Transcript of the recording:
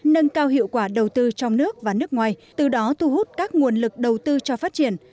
nâng cao hiệu quả đầu tư trong nước và nước ngoài từ đó thu hút các nguồn lực đầu tư cho phát triển